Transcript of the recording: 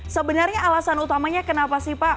sebenarnya alasan utamanya kenapa sih pak